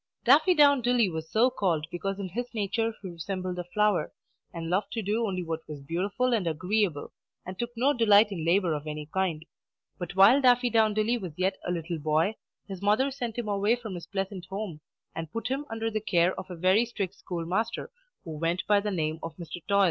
Daffydowndilly was so called because in his nature he resembled a flower, and loved to do only what was beautiful and agreeable, and took no delight in labour of any kind. But while Daffydowndilly was yet a little boy, his mother sent him away from his pleasant home, and put him under the care of a very strict schoolmaster, who went by the name of Mr. Toil.